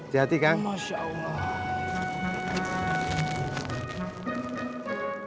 jadi kang masya allah